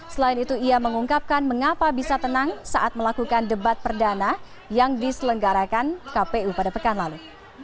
selain itu ia mengungkapkan mengapa bisa tenang saat melakukan debat perdana yang diselenggarakan kpu pada pekan lalu